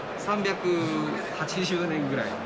３８０年ぐらい前。